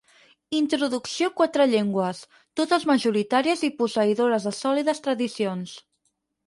Introducció quatre llengües, totes majoritàries i posseïdores de sòlides tradicions.